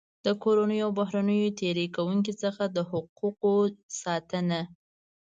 د کورنیو او بهرنیو تېري کوونکو څخه د حقوقو ساتنه.